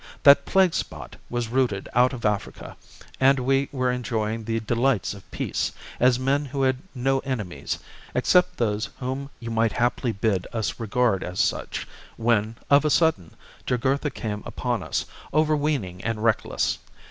That plague spot was rooted out of Africa, and we were enjoying the delights of peace, as men who had no enemies, except those whom you might haply bid us regard as such, when, of a sudden, Jugurtha came upon us, overweening and reckless.